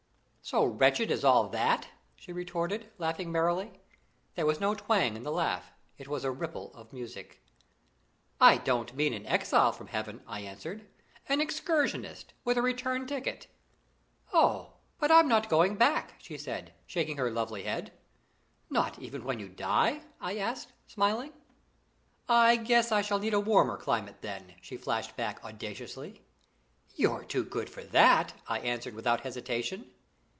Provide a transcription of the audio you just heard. "So wretched as all that!" she retorted, laughing merrily. There was no twang in the laugh; it was a ripple of music. "I don't mean an exile from Heaven," I answered: "an excursionist, with a return ticket." "Oh! but I'm not going back," she said, shaking her lovely head. "Not even when you die?" I asked, smiling. "I guess I shall need a warmer climate then!" she flashed back audaciously. "You're too good for that," I answered, without hesitation.